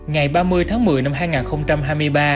ngày ba mươi tháng một mươi năm hai nghìn hai mươi ba